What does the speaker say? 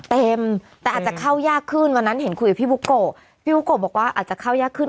เต็มแต่อาจจะเข้ายากขึ้นวันนั้นเห็นคุยกับพี่บุโกะพี่บุโกะบอกว่าอาจจะเข้ายากขึ้น